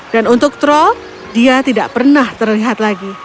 dan untuk troll dia tidak pernah terlihat lagi